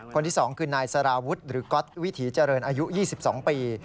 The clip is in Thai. คนที่๒คือนายสารวุฒิหรือก๊อตวิถีเจริญอายุ๒๒ปี